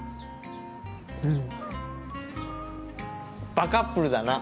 バカップルだな。